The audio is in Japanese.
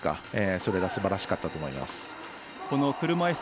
それがすばらしかったと思います。